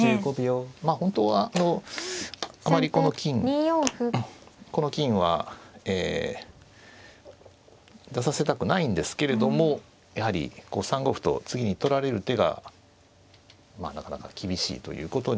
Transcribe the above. まあ本当はあのあまりこの金この金は出させたくないんですけれどもやはりこう３五歩と次に取られる手がまあなかなか厳しいということに。